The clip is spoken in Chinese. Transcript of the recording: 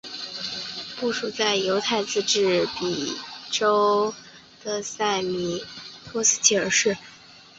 部署在犹太自治州比罗比詹附近的塞米斯托齐内伊市。